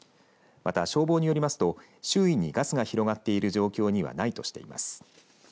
また、消防によりますと周囲にガスが広がっている状況にはないとしています。